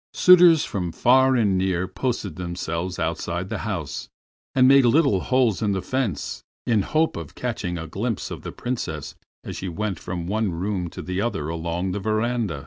Suitors from far and near posted themselves outside the house, and made little holes in the fence, in the hope of catching a glimpse of the Princess as she went from one room to the other along the veranda.